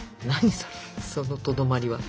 そのとどまりは。